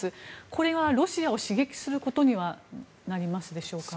これがロシアを刺激することにはなりますでしょうか。